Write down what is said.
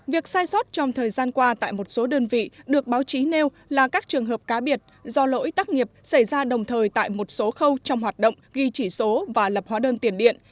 việc sai sót trong thời gian qua tại một số đơn vị được báo chí nêu là các trường hợp cá biệt do lỗi tắc nghiệp xảy ra đồng thời tại một số khâu trong hoạt động ghi chỉ số và lập hóa đơn tiền điện